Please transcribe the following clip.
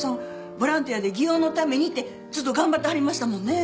ボランティアで祇園のためにって都度頑張ってはりましたもんね。